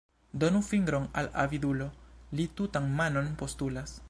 Donu fingron al avidulo, li tutan manon postulas.